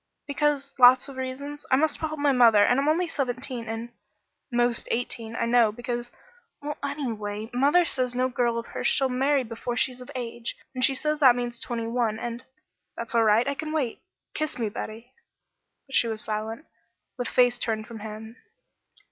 "Because lots of reasons. I must help mother and I'm only seventeen, and " "Most eighteen, I know, because " "Well, anyway, mother says no girl of hers shall marry before she's of age, and she says that means twenty one, and " "That's all right. I can wait. Kiss me, Betty." But she was silent, with face turned from him.